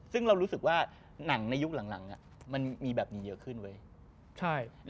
ซึ่งเรารู้สึกว่าหนังในยุคหลังมันมีแบบนี้เยอะขึ้นเว้ย